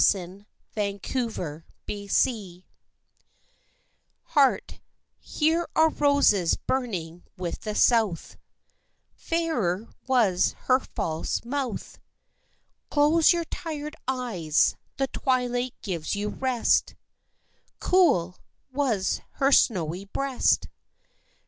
XXXIX Vanquished Heart, here are roses burning with the South ("Fairer was her false mouth") Close your tired eyes, the twilight gives you rest ("Cool was her snowy breast").